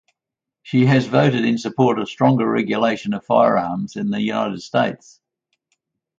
She has voted in support of stronger regulation of firearms in the United States.